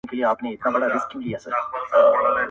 تا پخپله جواب کړي وسیلې دي٫